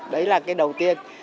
đấy là cái đầu tiên